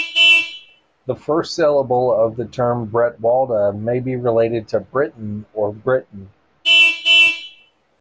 The first syllable of the term "bretwalda" may be related to "Briton" or "Britain".